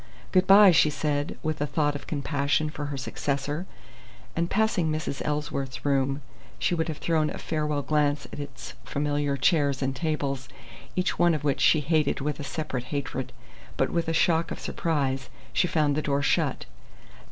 "Good bye!" she said, with a thought of compassion for her successor. And passing Mrs. Ellsworth's room she would have thrown a farewell glance at its familiar chairs and tables, each one of which she hated with a separate hatred; but with a shock of surprise, she found the door shut.